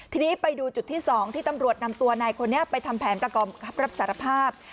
ทีนี้ไปดูจุดที่๒ที่ตำรวจนำตัวนายคนนี้ไปทำแผนประกอบรับสารภาพ